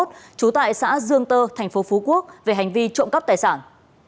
trú tại xã dương tơ tp phú quốc về hành vi trộm cắp tài sản